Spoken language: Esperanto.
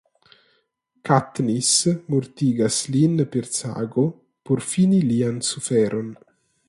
Katniss mortigas lin per sago por fini lian suferon.